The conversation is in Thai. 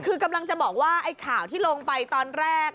คือกำลังจะบอกว่าไอ้ข่าวที่ลงไปตอนแรก